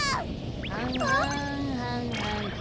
はんはんはんはん。あっ。